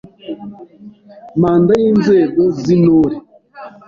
Manda y’inzego z’Intore